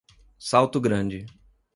Salto Grande